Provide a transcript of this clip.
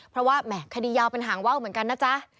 เพราะว่าแหม่คดียาวเป็นหางว่าวเหมือนกันนะจ๊ะ